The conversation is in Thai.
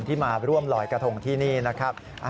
ที่มาร่วมลอยกระทงที่นี่นะครับ